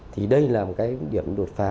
thì đây là một cái điểm đột phá